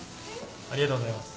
ありがとうございます。